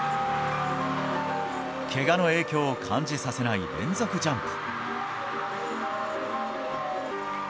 けがの影響を感じさせない連続ジャンプ。